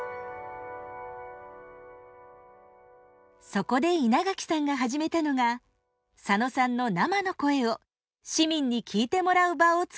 そこで稲垣さんが始めたのが佐野さんの生の声を市民に聞いてもらう場をつくることでした。